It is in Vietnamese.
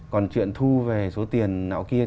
còn chuyện thu về số tiền nào kia